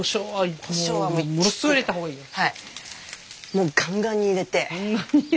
もうガンガンに入れて。